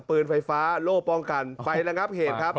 ปืนไฟฟ้าโล่ป้องกันไประงับเหตุครับ